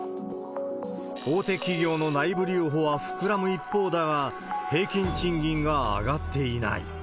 大手企業の内部留保は膨らむ一方だが、平均賃金が上がっていない。